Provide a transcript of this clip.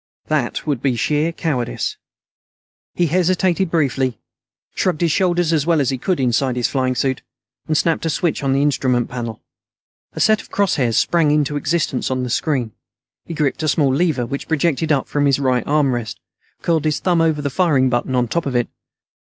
That would be sheer cowardice. He hesitated briefly, shrugged his shoulders as well as he could inside his flying suit, and snapped a switch on the instrument panel. A set of cross hairs sprang into existence on the screen. He gripped a small lever which projected up from his right armrest; curled his thumb over the firing button on top of it.